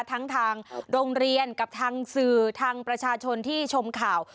ทางโรงเรียนกับทางสื่อทางประชาชนที่ชมข่าว